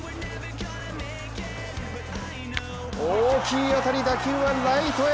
大きい当たり、打球はライトへ。